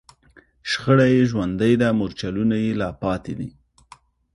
شخړه یې ژوندۍ ده، مورچلونه یې لا پاتې دي